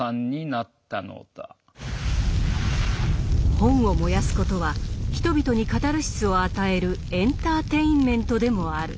本を燃やすことは人々にカタルシスを与えるエンターテインメントでもある。